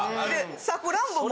さくらんぼも。